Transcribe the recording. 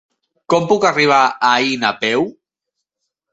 Com puc arribar a Aín a peu?